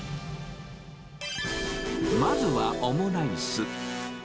まずはオムライス。